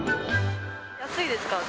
安いですか？